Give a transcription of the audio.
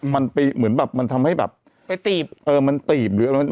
มันทำให้แบบไปตีบ